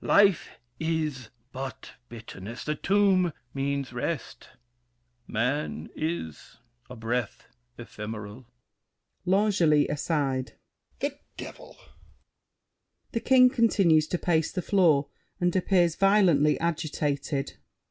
Life is but bitterness, the tomb means rest. Man is a breath ephemeral. L'ANGELY (aside). The devil! [The King continues to pace the floor and appears violently agitated.